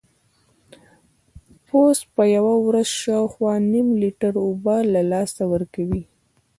پوست په یوه ورځ شاوخوا نیم لیټر اوبه له لاسه ورکوي.